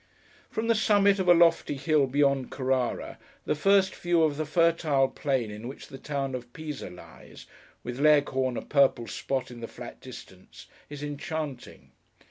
From the summit of a lofty hill beyond Carrara, the first view of the fertile plain in which the town of Pisa lies—with Leghorn, a purple spot in the flat distance—is enchanting.